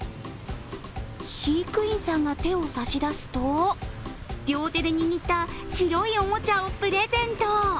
飼育員さんが手を差し出すと両手で握った白いおもちゃをプレゼント。